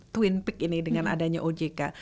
twin peak ini dengan adanya ojk